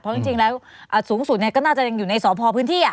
เพราะจริงแล้วสูงสุดก็น่าจะยังอยู่ในสพพื้นที่